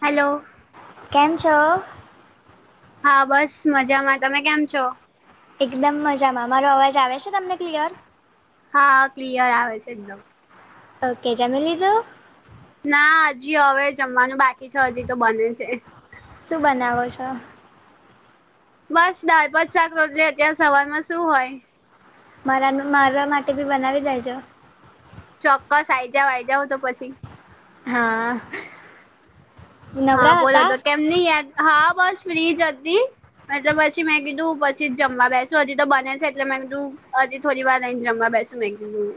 Hello કેમ છો? હા, બસ મજામાં, તમે કેમ છો? એકદમ મજામાં, મારો અવાજ આવે છે તમને ક્લિયર? હા ક્લિયર આવે છે એકદમ ઓકે, જમી લીધું? ના હજી હવે જમવાનું બાકી છે હજી તો બને છે શું બનાવો છો? બસ દાલ, ભાત, શાક, રોટલી અત્યારે સવાર માં શું હોય? મારા મે મારવા માટે બી બનાવી દેજો છે. ચોક્કસ આઈ જઓ આઈ જાઓ તો પછી. હા. હા, નવરા બોલો હતા હતો કેમની યાદ, હા બસ ફ્રી જ હતી એટલે પછી મેં કીધું પછી જ જમવા બેસુ, હજી તો બને છે એટલે મેં કીધું હજી... થોડી વાર રહીને જમવા બેસું મેં દીધું.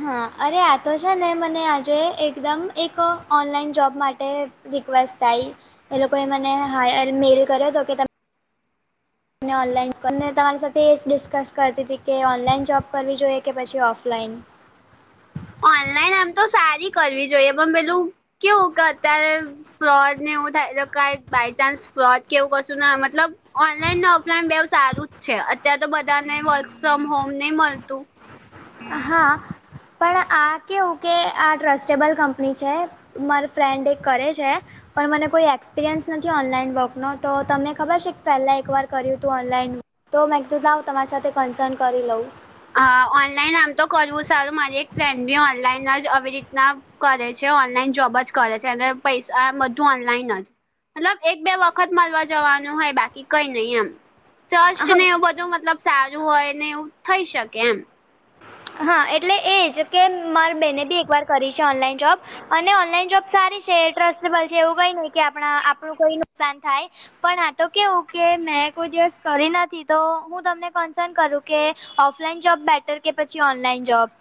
હા, અરે આ તો છે ને મને આજે એકદમ એક ઓનલાઈન જોબ માટે. રિક્વેસ્ટ આઈ, એ લોકોએ મને હાઈલ મેલ કર્યો હતો કે તમે? અને ઓનલાઈનને તમારી સાથે એ જ ડિસ્કસ કરતી હતી. કે ઓનલાઈન જોબ કરવી જોઈએ કે પછી ઓફલાઈન? ઓનલાઈન આમ તો સારી કરવી જોઈએ, પણ પેલું કેવું કે અત્યારે ફ્રોડ ને એવું થાય તો કઈ બાય ચાન્સ ફ્રોડ કેવું કશું ના મતલબ ઓનલાઈન ને ઓફલાઈન બેવ સારું જ છે, અત્યારે તો બધાને વર્ક ફ્રોમ હોમ નહી, મળતું. હા, પણ આ કેવું કે આ ટ્રસ્ટેબલ કંપની છે. મારા ફ્રેન્ડ એક કરે છે. પણ મને કોઈ એક્સપિરિયન્સ નથી ઓનલાઈન વર્ક નો તો તમને ખબર છે પહેલા એકવાર કર્યું તું ઓનલાઈન તો મેં કીધું લાવ તમારી સાથે કન્સન કરી લઉં. હા, ઓનલાઈન આમ તો કરવું સારું મારી એક ફ્રેન્ડ બી ઓનલાઈન જ આવી રીતના. કરે છે, ઓનલાઈન જોબ જ કરે છે. અને પૈસા બધું ઓનલાઈન જ. મતલબ એક બે વખત મળવા જવાનું હોય બાકી કઈ નહી, એમ. ચર્સ્ટ હા ને એવું બધું મતલબ સારું હોય ને એવું થઈ શકે, એમ. હા, એટલે એજ કે મારી બેને બી એકવાર કરી છે, ઓનલાઈન જોબ. અને ઓનલાઈન જોબ સારી છે. ટ્રસ્ટેબલ છે એવું કય નહી કે આપ આપણું કોઈ નુકસાન થાય. પણ આ તો કેવું કે મેં કોઈ દિવસ કરી નથી તો હું તમને કનસન કરું. કે ઓફલાઈન જોબ બેટર કે પછી ઓનલાઈન જોબ.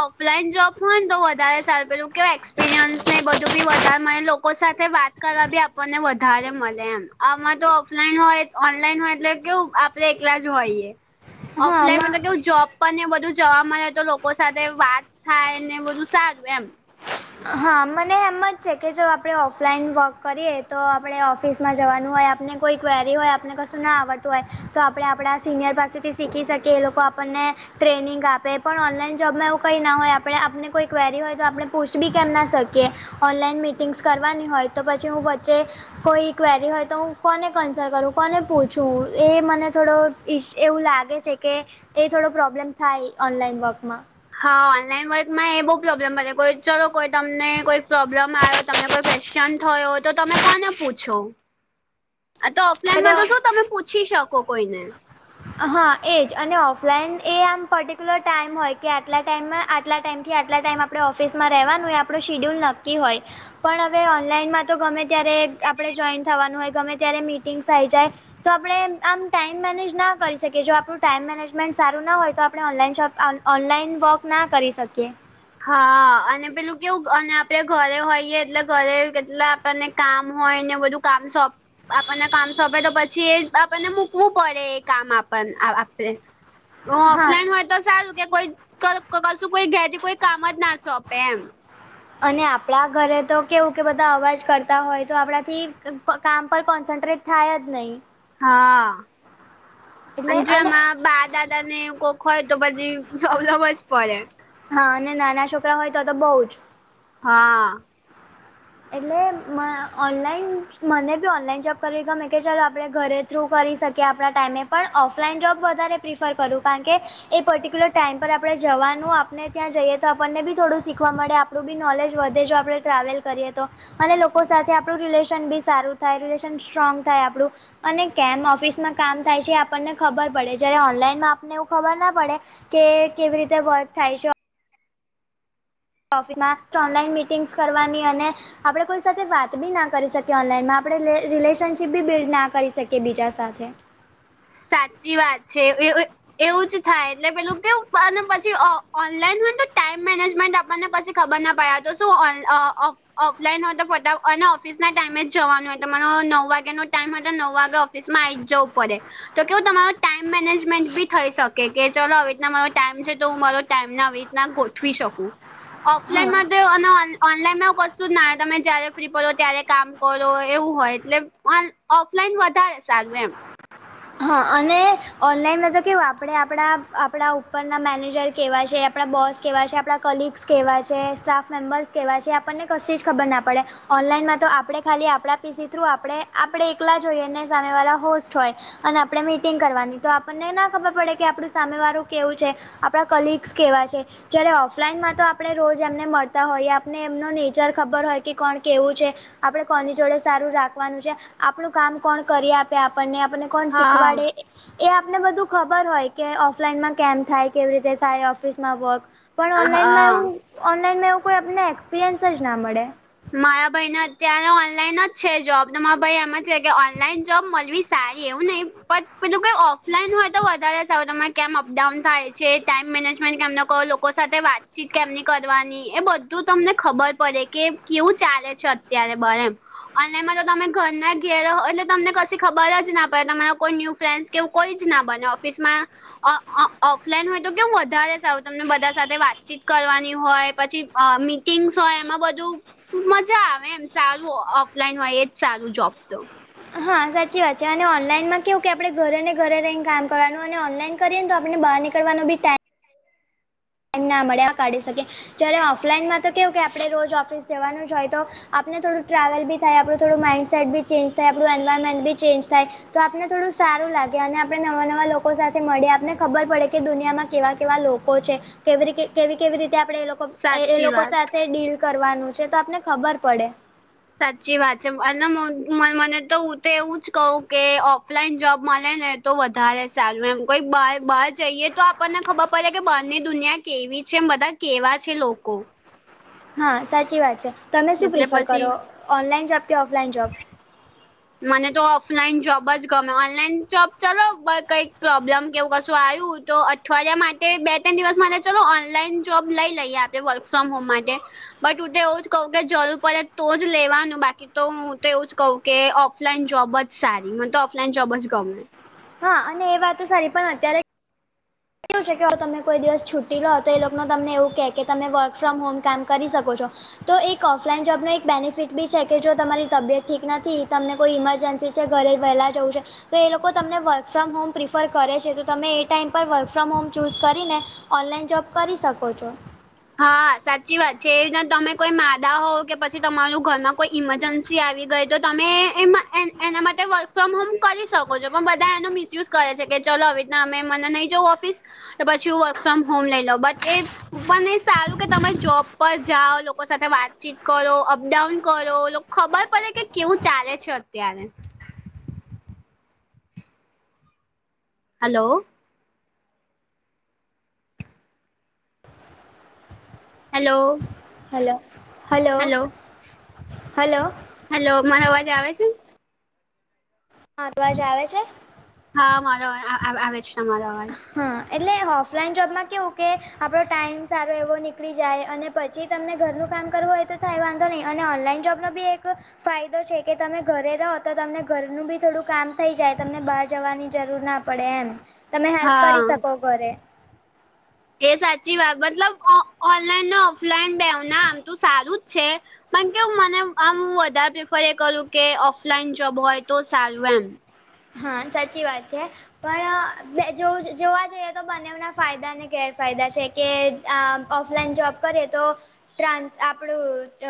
ઓફલાઈન જોબ હોય ને તો વધારે સારું પેલું કેવું એક્સપિરિયન્સ ને બધું બી વધારે મને લોકો સાથે વાત કરવા બી આપણને વધારે મળે એમ. આમાં તો ઓફલાઈન હોય ઓનલાઈન હોય એટલે કેવું આપડે એકલા જ હોઈએ. હા ઓફલાઈન માં મતલબ કેવું જોબ પણને એવું બધું જોવા મળે તો લોકો સાથે વાત થાય ને બધું સારું એમ. હા, મને એમજ છે કે જો આપણે ઓફલાઈન વર્ક કરીએ તો આપણે ઓફિસમાં જવાનું હોય આપને કોઈ ક્વેરી હોય આપણને કશું ના આવડતું હોય તો આપણે આપણા સિનિયર પાસેથી શીખી શકીએ. એ લોકો આપણને ટ્રેનિંગ આપે પણ ઓનલાઈન જોબમાં એવું કઈ ના હોય. આપણે આપને કોઈ ક્વેરી હોય તો આપણે પૂછ બી કેમ ના શકીએ. ઓનલાઈન મિટિંગ્સ કરવાની હોય તો પછી હું વચ્ચે કોઈ કવેરી હોય તો હું કોને કન્સલ કરું, કોને પૂછવું એ મને થોડો ઈ એવું લાગે છે કે એ થોડો પ્રોબ્લેમ થાય ઓનલાઈન વર્કમાં. હા, ઓનલાઈન વર્કમાં એ બહુ પ્રોબ્લેમ બને કો ચલો કોઈ તમને કોઈ પ્રોબ્લેમ આયો. તમને કોઈ ક્વેશ્ચન થયો તો તમે કોને પૂછો? [inaudible] આ તો ઓફલાઈનમાં તો શું તમે પૂછી શકો, કોઈને. હા, એજ અને ઓફલાઈન એ આમ પર્ટિક્યુલર ટાઈમ હોય કે આટલા ટાઈમમાં આટલા ટાઈમ થી આટલા ટાઈમ આપણે ઓફિસમાં રહેવાનું હોય આપણું શિડ્યુલ નક્કી હોય. પણ હવે ઓનલાઈનમાં તો ગમે ત્યારે આપણે જોઈન થવાનું હોય, ગમે ત્યારે મીટિંગસ થઈ જાય. તો આપણે આમ ટાઈમ મેનેજ ના કરી શકીએ. જો આપણું ટાઈમ મેનેજમેન્ટ સારું ના હોય, તો આપણે ઓનલાઈન ઓનલાઈન વર્ક ના કરી શકીએ. હા, અને પેલું કેવું અને આપડે ઘરે હોઈએ એટલે ઘરે કેટલે આપણને કામ હોય ને બધું કામ સોંપ આપણને કામ સોંપે તો પછી એ આપણને મૂકવું પડે એ કામ આણે આપને. હા. ઓફલાઈન હોય તો સારું કે કોઈ કશું કોઈ ઘેરથી કોઈ કામ જ ના સોંપે એમ. અને આપણા ઘરે તો કેવું કે બધા અવાજ કરતા હોય તો આપણાથી કામ પર કોન્સન્ટ્રેટ થાય જ નઈ. હા અને જો એમાં બા દાદા ને કોક હોય તો પછી પ્રોબ્લેમ જ પડે. હા અને નાના છોકરા હોય તો તો બઉ જ. હા એટલે મ ઓનલાઈન મને બી ઓનલાઈન જોબ કરવી ગમે કે ચાલ આપણે ઘરે થ્રુ કરી શકીએ આપણા ટાઈમે પણ ઓફલાઈન જોબ વધારે પ્રિફર કરું. કારણ કે એ પર્ટિક્યુલર ટાઈમ પર આપણે જવાનું આપને ત્યાં જઈએ તો આપણને બી થોડું શીખવા મળે. આપ આપણું બી નોલેજ વધે જો આપણે ટ્રાવેલ કરીએ. તો અને લોકો સાથે આપણું રિલેશન બી સારું થાય, રિલેશન સ્ટ્રોંગ થાય આપડુ. અને કેમ ઓફિસમાં કામ થાય છે, આપણને ખબર પડે, જયારે ઓનલાઈનમાં આપને એવું ખબર ના પડે. કે કેવી રીતે વર્ક થાય છે? મા ઓનલાઈન મિટિંગ્સ કરવાની અને આપણે કોઈ સાથે વાત બી ના કરી શકીએ, ઓનલાઈનમાં આપણે રિલેશનશીપ બી બિલ્ડ ના કરી શકીએ બીજા સાથે. સાચી વાત છે, ઓય ઓ એવું જ થાય, એટલે પેલું કેવું પછી ઓનલાઈન હોય ને, ટાઈમ મેનેજમેન્ટ આપણને કશી ખબર ના પડે, આ તો શું ઓ અ ઓફલાઈન હોય તો, પોતા અને ઓફિસ ના ટાઈમે જવાનું હોય, તમાનો નવ વાગ્યાનો ટાઈમ હોય તો, નવ વાગે મા આઈ જ જવું પડે. તો કેવું તમારો તાઈમ મેનેજમેન્ટ બી થઈ શકે કે, ચાલો આવી રીતના મારો ટાઈમ છે, તો હું મારો ટાઈમ ના આવી ના ગોઠવી શકું. હા ઓફલાઈનમાં તો અને ઓનલાઈનમાં કશું જ ના જોય, તમે જય્યારે ફ્રી પડો ત્યારે કામ કરો એવું હોય, એટલે ઓન ઓફલાઈન વધારે સારું એમ. હા, અને ઓનલાઈનમાં તો કેવું આપડે, આપડા આપણા ઉપરના મેનેજર કેવા છે, આપડા બોસ કેવા છે. આપણા કલીગ્સ કેવા છે, સ્ટાફ મેમ્બર્સ કેવા છે. આપણને કશી જ ખબર ના પડે. ઓનલાઈનમાં તો આપણે ખાલી આપણા પીસી થ્રુ આપડે, આપડે એકલા હોઈએ ને, સામે વાળા હોસ્ટ હોય. અને આપડે મીટિંગ કરવાની તો, આપણને ના ખબર પડે કે, આપણું સામેવાળું કેવું છે. આપડા કલિગ્સ કેવા છે? જ્યારે ઓફલાઈનમાં તો આપણે રોજ એમને મળતા હોઈએ, આપને એમનો નેચર ખબર હોય કે, કોણ કેવું છે. આપણે કોની જોડે સારું રાખવાનું છે, આપણું કામ કોણ કરીએ આપે આપણને આપને. કોણ હા શીખવાડે? એ આપને બધું ખબર હોય કે, ઓફલાઈનમાં કેમ થાય, કેવી રીતે થાય, ઓફિસમાં વર્ક. પણ ઓનલાઈનમાં એવું, ઓનલાઈનમાં એવું કોઈને એક્સપિરિયન્સ જ ના મળે. માયા ભાઈ ના અત્યારે ઓનલાઈન જ છે જોબ, તો મારા ભાઈ એમ જ કે, કે ઓનલાઈન જોબ મલવી સારી એવું નહી, પણ પેલું કઈ ઓફલાઈન હોય તો, વધારે સારું, તમારે કેમ અપડાઉન થાય છે. ટાઈમ મેનેજમેન્ટ કેમનો કહો લોકો સાથે વાતચીત કેમની કરવાની, એ બધું તમને ખબર પડે કે. કેવું ચાલે છે? અત્યારે બાર એમ. ઓનલાઈનમાં તો તમે ઘરના ઘેરે રહો, એટલે તમને કશી ખબર જ ના પડે, તમારા કોના ન્યુ ફ્રેન્ડસ. કેવું કોઈ જ ના બને, ઓફિસ માં ઓફલાઈન હોય તો કેવું વધારે સારું, તમને બધા સાથે વાતચીત કરવાની હોય, પછી અ મિટિંગ્સ હોય, એમાં બધું મજા આવે, એમ સારું ઓફલાઈન હોય, એજ સારું જોબ તો. હા સાચી વાત છે, અને ઓનલાઈનમાં કેવું કે, આપણે ઘરે ને ઘરે રહીને કામ કરવાનું, અને ઓનલાઈન કરીએને, તો આપણે બહાર નીકળવાનો બી ટાઈમ ટાઈમ ના મળે, આ કાઢી શકીએ, જ્યારે ઓફલાઈનમાં તો કેવું કે, આપણે રોજ ઓફિસ જવાનું જ હોય તો. આપણે થોડું ટ્રાવેલ બી થાય, આપણું થડું માઇડસેટ બી ચેન્જ થાય, આપણું એન્વાયરમેન્ટ બી ચેન્જ થાય. તો આપને થોડું સારું લાગે, અને આપણે નવા-નવા લોકો સાથે મળી આપને ખબર પડે કે, દુનિયામાં કેવા-કેવા લોકો કેવી રીતે આપડે, એ લોકો એ સાચી લોકો વાત સાથે ડીલ કરવાનું છે, તો આપડને ખબર પડે. સાચી વાત છે, અને મને તો હું તો એવું જ કઉ કે, ઓફલાઈન જોબ મળે ને તો વધારે સારું એમ, કોઈ [unintelligible] જઈએ તો, આપણને ખબર પડે કે, બહાર દુનિયા કેવી છે, બધા કેવા છે લોકો. હા સાચી વાત છે, તમે શું એટલે પ્રિફર પછી કરો? ઓનલાઈન જોબ કે, ઓફલાઈન જોબ. મને તો ઓફલાઈન જોબ જ ગમે, ઓનલાઈન જોબ ચલો કંઈક પ્રોબ્લેમ એવું કશું આવ્યું હતું. અઠવાડિયા માટે બે ત્રણ દિવસ માટે ચલ ઓનલાઈન જોબ લઈ લઈએ આપણે વર્ક ફ્રોમ હોમ માટે. બટ હું તો એવું જ કહું કે જરૂર પડે તો જ લેવાનું. બાકી તો હું તો એવું જ કહું કે ઓફલાઈન જોબ જ સારી. મને તો ઓફલાઈન જોબ જ ગમે. હા. અને એ વાત તો સારી પણ અત્યારે કેવું છે કે અવે તમને કોઈ દિવસ છુટ્ટી લો તો એ લોકો તમને એવું કેહ કે તમે વર્ક ફ્રોમ હોમ કામ કરી શકો છો. તો એક ઓફલાઈન જોબનો એક બેનિફિટબી છે કે જો તમારી તબિયત ઠીક નથી. તમને કોઈ ઇમરજન્સી છે ઘરે વહેલા જવું છે. તો એ લોકો તમને વર્ક ફ્રોમ હોમ પ્રિફર કરે છે. તો તમે એ ટાઈમ પર વર્ક ફ્રોમ હોમ ચૂઝ કરીને ઓનલાઈન જોબ કરી શકો છો. હા સાચી છે. એ રીતના તમે કોઈ માદા હોવ પછી તમાર ઘરમાં કોઈ ઈમરજન્સી આવી ગઈ. તો તમે એમાં એના માટે વર્ક ફ્રોમ હોમ કરી શકો. છો. પણ બધા એનો મિસયુઝ કરે છે કે ચલો અવે મને નઈ જઉ ઓફિસ. તો પછી હું વર્ક ફ્રોમ હોમ લઈ લઉ. બટ એ પણ સારું કે તમે જોબ પર જાઓ. લોકો સાથે વાતચીત કરો. અપડાઉન કરો. ખબર પડે કે કેવું ચાલે છે અત્યારે. Hello. Hello. Hello. Hello hello hello મારો અવાજ આવે છે. હ તો અવાજ આવે છે. હા [unintelligible] તમારો અવાજ. હ એટલે ઓફલાઈન જોબમાં કેવું કે આપણો ટાઈમ સારો એવો નીકળી જાય. અને પછી તમને ઘરનું કામ કરવું હોય તો થાય વાંધો ની. અને ઓનલાઈન જોબમા બી એક ફાયદો છે કે તમે ઘરે રહો. તો તમને ઘરનું બી થોડું કામ થઈ જાય. તમને બાર જવાની જરૂર ના પડે એમ. તમે હેલ્પ હા કરી શકો ઘરે. એ સાચી વાત મતલબ ઓનલાઈન અને ઓફલાઈન બેવનો આમ તો સારું જ છે. પણ કેવું મને આમ વધારે પ્રિફર એ કરું કે ઓફલાઈન જોબ હોય તો સારું એમ. હા સાચી વાત છે. પણ જોવા જઈએ તો બનેવના ફાયદાને ગેરફાયદા છે કે ઓફલાઇન જોબ કરયે તો ટ્રાન્સ આપણું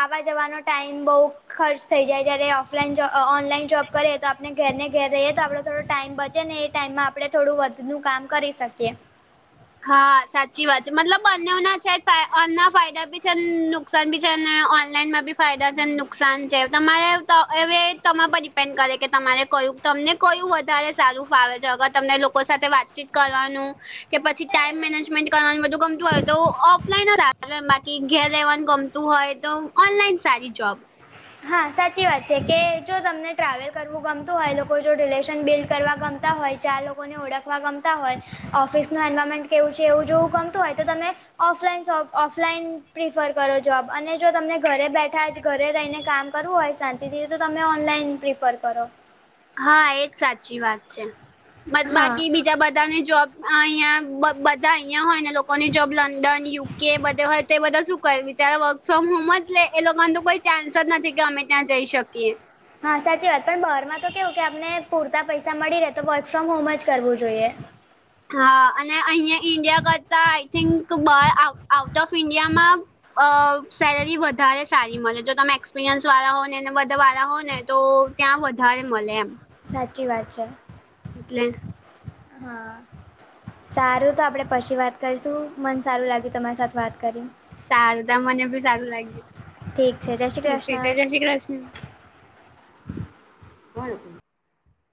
આવા જવાનો ટાઈમ બઉ ખર્ચ થઈ જાય. જ્યારે ઓફલાઈન અ ઓનલાઈન જોબ કરે તો આપ આપણે ઘરને ઘેર રહીએ તો આપડો થોડો ટાઈમ બચે ને. એ ટાઈમમાં આપણે થોડું વધું કામ કરી શકીએ. હા સાચી વાત છે. મતલબ બંને ના છે એના ફાયદાબી છે. નુકસાન બી છે. અને ઓનલાઈનમાં બી ફાયદા છે. નુકસાન છે. તમારે અવે તહ ડીપેડ કરે કે તમારે કયું, તમને કયું વધારે સારું ફાવે છે. અગર તમને લોકો સાથે વાતચીત કરવાનું. કે પછી. ટાઈમ કરવાનું બધું ગમતું હોય તો હું ઓફલાઈન બાકી ઘેર રહેેવાનું હોય તો. ઓનલાઈન સારી જોબ. હા સાચી વાત છે કે જો તમને ટ્રાવેલ કરવું ગમતું હોય. એ લોકો જો લેશન ડીલ કરવા ગમતા હોય. ચાર લોકોને ઓળખવા ગમતા હોય. ઓફિસનું એન્વાયરમેન્ટ કેવું છે. એવું જોવું ગમતું હોય તો તમે ઓફલાઈન જોબ ઓફલાઈન પ્રિફર કરો જોબ. અને જો તમને ઘરે બેઠા ઘરે રહીને કામ કરવું હોય શાંતિથી તો તમે ઓનલાઈન પ્રિફર કરો. હા એ જ સાચી વાત છે. હા [unintelligible] બધાની જોબ અહીંયા બધા અહીંયા હોય ને લોકોની જોબ લંડન યુ કે બધે હોય તો બધા શું કરે, બિચારા વર્ક ફ્રોમ હોમ જ લે એ લોકો અ કોઈ ચાન્સ જ નથી કે અમે ના જઈ શકીએ. હા સાચી વાત. પણ બહારમાં તો કેવું કે આપને પૂરતા પૈસા મળી રહે તો વર્ક ફ્રોમ હોમ જ કરવું જોઈએ. હા અને અહીયાં ઈન્ડિયા કરતા આઈ થિંક બ આઉ આઉટ ઓફ ઈન્ડિયામાં અ સેલેરી વધારે સારી મળે. જો તમે એક્સપિરિયન્સ વાળા હોવ ને એને બધાવાળા હોવ ને તો ત્યાં વધારે મળે એમ. સાચી વાત છે. એટલે હા સારું તો આપણે પછી વાત કરીશું. મન સારું લાગ્યું તમારી સાથે વાત કરીને. સારું ત મને ભી સારું ઠીક છે જય શ્રી લાગ્યું. ત કૃષ્ણ જયશ્રી કૃષ્ણ. [unintelligible]